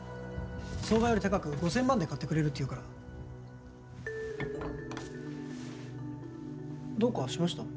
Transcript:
相場より高く５０００万で買ってくれるっていうからどうかしました？